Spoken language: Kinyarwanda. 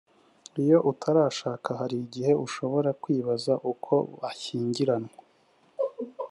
iyo utarashaka hari igihe ushobora kwibaza uko bashyingiranywe